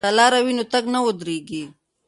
که لاره وي نو تګ نه ودریږي.